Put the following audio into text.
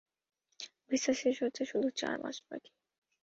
Visa শেষ হতে শুধু চার মাস বাকি।